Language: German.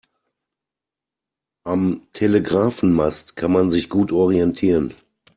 Am Telegrafenmast kann man sich gut orientieren.